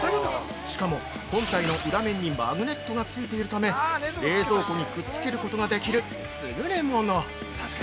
しかも、本体の裏面にマグネットがついているため、冷蔵庫にくっつけることができる優れもの。